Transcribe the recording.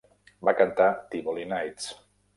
Va cantar "Tivoli Nights".